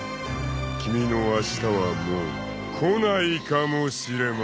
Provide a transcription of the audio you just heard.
［君のあしたはもう来ないかもしれません］